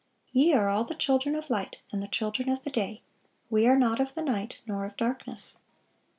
Ye are all the children of light, and the children of the day: we are not of the night, nor of darkness."